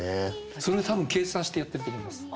それ多分計算してやってると思います。